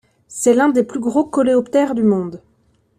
C’est l’un des plus gros coléoptères du monde.